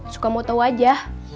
suka mau tau aja